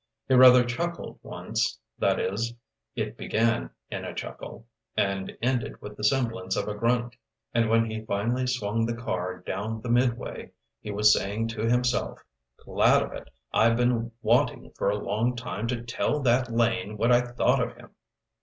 He rather chuckled once; that is, it began in a chuckle, and ended with the semblance of a grunt, and when he finally swung the car down the Midway, he was saying to himself: "Glad of it! I've been wanting for a long time to tell that Lane what I thought of him."